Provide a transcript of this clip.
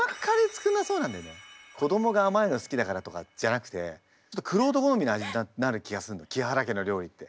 子供が甘いの好きだからとかじゃなくてちょっと玄人好みな味になる気がすんの木原家の料理って。